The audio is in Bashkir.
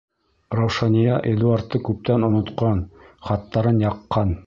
Раушания Эдуардты күптән онотҡан, хаттарын яҡҡан.